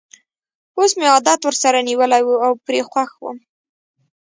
اوس مې عادت ورسره نیولی وو او پرې خوښ وم.